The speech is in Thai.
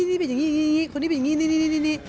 นี่เป็นอย่างนี้คนนี้เป็นอย่างนี้นี่